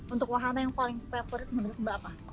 untuk wahana yang paling favorit menurut mbak apa